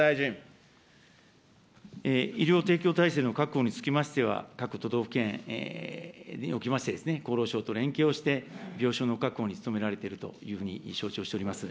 医療提供体制の確保につきましては、各都道府県におきまして、厚労省と連携をして、病床の確保に努められているというふうに承知をしております。